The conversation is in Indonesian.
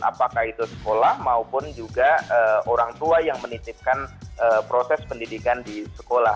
apakah itu sekolah maupun juga orang tua yang menitipkan proses pendidikan di sekolah